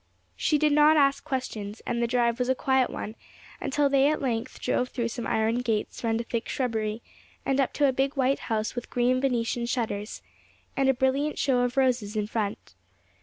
She did not ask questions, and the drive was a quiet one, until they at length drove through some iron gates round a thick shrubbery, and up to a big white house with green Venetian shutters, and a brilliant show of roses in front.